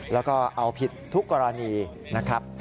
แล้วก็เอาผิดทุกกรณีนะครับ